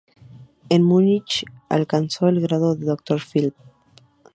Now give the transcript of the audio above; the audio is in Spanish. En Múnich alcanzó el grado de Dr. Phil.